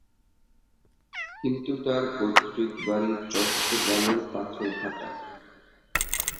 কিন্তু তার পৈত্রিক বাড়ি চট্টগ্রামের পাথরঘাটায়।